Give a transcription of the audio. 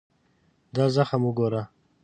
دا زخم وګوره.